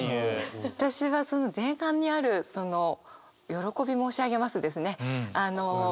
私はその前半にあるその「喜び申し上げます」ですね。